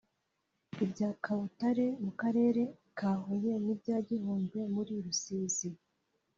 ibya Kabutare mu Karere ka Huye n’ibya Gihundwe muri Rusizi